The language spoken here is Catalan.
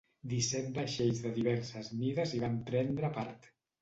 Disset vaixells de diverses mides hi van prendre part.